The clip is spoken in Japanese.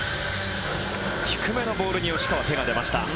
低めのボールに吉川、手が出ました。